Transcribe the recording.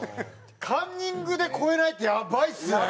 カンニングで超えないってやばいですね。